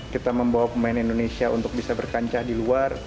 kita membawa pemain indonesia untuk bisa berkancah di luar